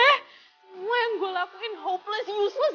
semua yang gue lakuin hopeless useless